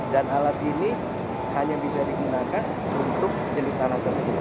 dan alat ini hanya bisa digunakan untuk jenis tanah tersebut